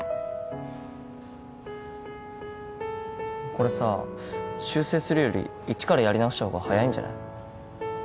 これさ修正するよりイチからやり直した方が早いんじゃない？